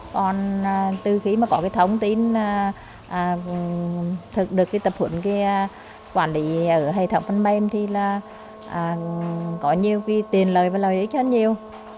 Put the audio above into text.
còn từ khi có thông tin thực được tập huấn của quản lý ở hệ thống phần mềm thì có nhiều tiền lợi và lợi ích hơn nhiều